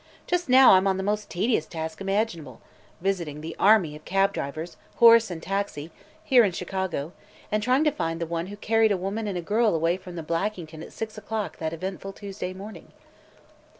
"Just now I'm on the most tedious task imaginable visiting the army of cab drivers horse and taxi here in Chicago and trying to find the one who carried a woman and a girl away from the Blackington at six o'clock that eventful Tuesday morning."